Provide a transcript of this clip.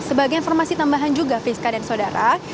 sebagai informasi tambahan juga viska dan saudara